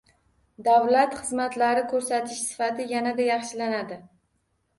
Davlat xizmatlari ko‘rsatish sifati yanada yaxshilanadi